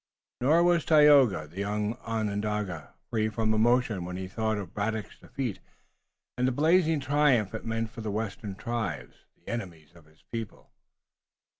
Nor was Tayoga, the young Onondaga, free from emotion when he thought of Braddock's defeat, and the blazing triumph it meant for the western tribes, the enemies of his people.